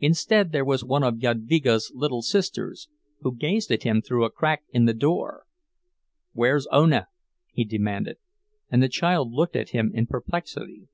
Instead there was one of Jadvyga's little sisters, who gazed at him through a crack in the door. "Where's Ona?" he demanded; and the child looked at him in perplexity.